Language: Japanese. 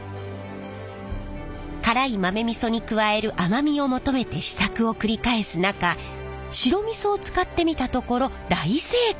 辛い豆味噌に加える甘みを求めて試作を繰り返す中白味噌を使ってみたところ大成功！